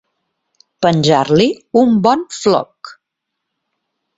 Penjar-li un bon floc.